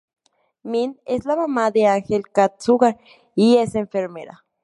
Mint: es la mamá de Angel Cat Sugar y es enfermera.